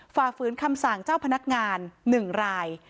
ฝ่าฝืนคำสั่งเจ้าพนักงาน๑ราย